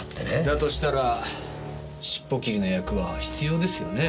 だとしたら尻尾切りの役は必要ですよね？